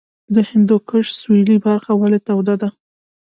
د هندوکش سویلي برخه ولې توده ده؟